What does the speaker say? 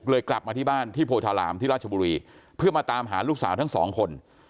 กลับมาที่บ้านที่โพธารามที่ราชบุรีเพื่อมาตามหาลูกสาวทั้งสองคน